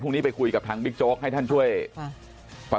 พรุ่งนี้ไปคุยกับทางบิ๊กโจ๊กให้ท่านช่วยครับ